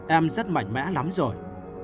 em rất mạnh mẽ lắm rồi